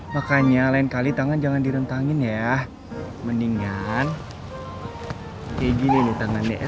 makanya lain kali tangan jangan direntangin ya mendingan kayak gini nih tangannya ya